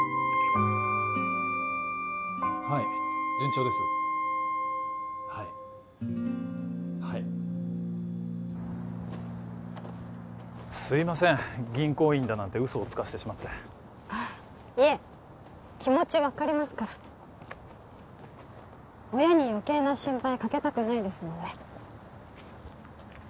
はい順調ですはいはいすいません銀行員だなんて嘘をつかせてしまっていえ気持ち分かりますから親に余計な心配かけたくないですもんね